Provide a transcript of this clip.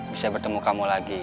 bisa bertemu kamu lagi